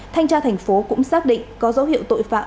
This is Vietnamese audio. thanh tra thành phố cũng xác định có dấu hiệu tội phạm